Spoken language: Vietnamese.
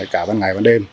cả ban ngày ban đêm